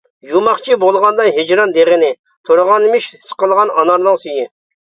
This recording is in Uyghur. يۇماقچى بولغاندەك ھىجران دېغىنى، تۇرغانمىش سىقىلغان ئانارنىڭ سۈيى.